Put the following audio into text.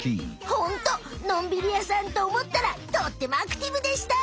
ホントのんびりやさんとおもったらとってもアクティブでした！